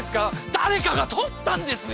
誰かがとったんですよ！